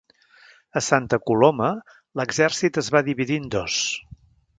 A Santa Coloma, l'exèrcit es va dividir en dos.